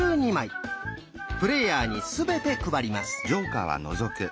プレーヤーにすべて配ります。